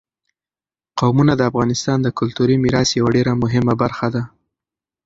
قومونه د افغانستان د کلتوري میراث یوه ډېره مهمه برخه ده.